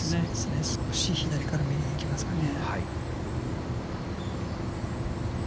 少し左から右にいきますかね。